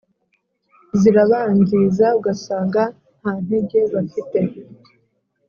Zirabangiza ugasanga nta ntege bafite